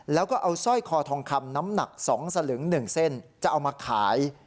แล้วก็เอาสร้อยคอทองคำน้ำหนัก๒สลึง๑เส้นจะเอามาขาย